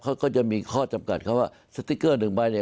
เขาก็จะมีข้อจำกัดเขาว่าสติ๊กเกอร์หนึ่งใบเนี่ย